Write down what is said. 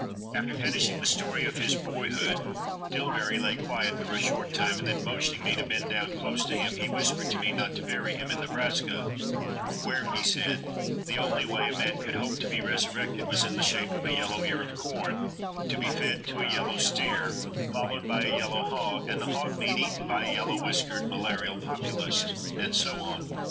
After finishing the story of his boyhood, Dillbery lay quiet for a short time and then motioning me to bend down close to him he whispered to me not to bury him in Nebraska where, he said, the only way a man could hope to be resurrected was in the shape of a yellow ear of corn, to be fed to a yellow steer, followed by a yellow hog and the hog meat eaten by a yellow whiskered malarial Populist, and so on.